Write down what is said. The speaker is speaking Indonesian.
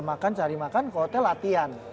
makan cari makan ke hotel latihan